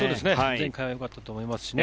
前回はよかったと思いますしね。